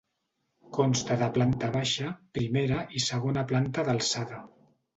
Consta de planta baixa, primera i segona planta d'alçada.